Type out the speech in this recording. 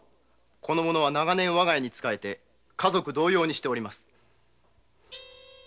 この者は長年我が家に仕えて家族同様にしております。